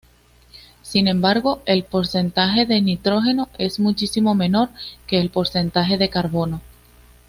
Sin embargo, el porcentaje de nitrógeno es muchísimo menor que el porcentaje de carbono.